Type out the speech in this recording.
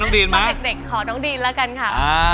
น้องดีนมาขอเด็กขอน้องดีนแล้วกันค่ะ